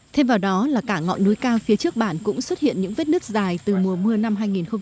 thêm vào đó là cả ngọn núi cao phía trước bản cũng xuất hiện những vết nứt dài từ mùa mưa năm hai nghìn một mươi tám